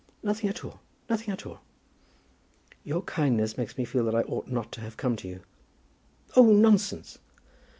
"Nothing at all, nothing at all." "Your kindness makes me feel that I ought not to have come to you." "Oh, nonsense.